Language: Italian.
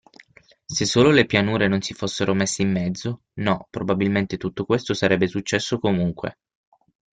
Se solo le pianure non si fossero messe in mezzo… No, probabilmente tutto questo sarebbe successo comunque.